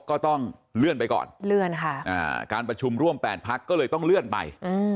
ก็ต้องเลื่อนไปก่อนเลื่อนค่ะการประชุมร่วม๘พักก็เลยต้องเลื่อนไป